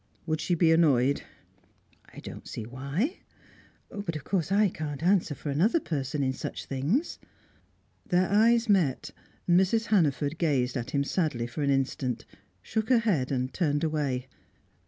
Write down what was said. "Would she be annoyed?" "I don't see why. But of course I can't answer for another person in such things." Their eyes met. Mrs. Hannaford gazed at him sadly for an instant, shook her head, and turned away.